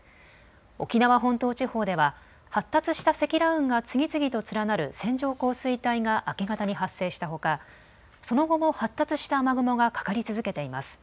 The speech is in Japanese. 沖縄本島地方では発達した積乱雲が次々と連なる線状降水帯が明け方に発生したほかその後も発達した雨雲がかかり続けています。